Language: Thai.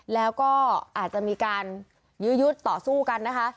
แล้วก็อาจจะมีการยื้อยุดต่อสู้กันนะคะ